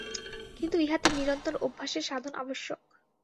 কিন্তু ইহাতে নিরন্তর অভ্যাসের সাধন আবশ্যক।